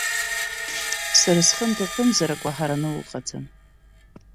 Сара сҟынтә акымзарак уаҳараны уҟаӡам.